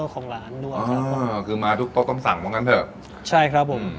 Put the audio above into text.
ของร้านด้วยครับอ๋อคือมาทุกต้มสั่งเหมือนกันเถอะใช่ครับผม